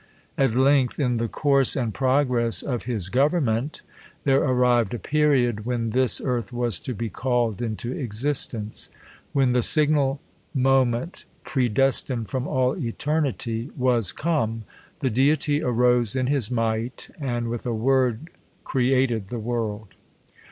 At length, in the cqjirse and progress of his government, there arrived a period, when this earth was to be ca"ed into existence. When the signal moment predestinated from all eternity, was come, the Dciry arose in his might, and with a word created the world.